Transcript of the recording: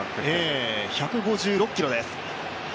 ええ、１５６キロです。